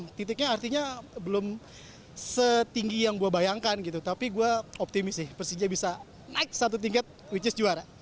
nah titiknya artinya belum setinggi yang gue bayangkan gitu tapi gue optimis sih persija bisa naik satu tingkat which is juara